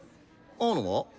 青野は？